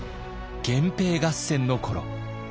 源平合戦の頃。